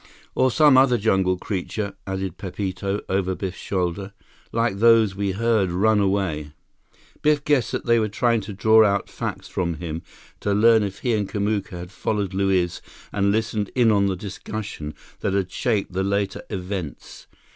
"Or some other jungle creature," added Pepito, over Biff's shoulder, "like those that we heard run away." Biff guessed that they were trying to draw out facts from him, to learn if he and Kamuka had followed Luiz and listened in on the discussion that had shaped the later events.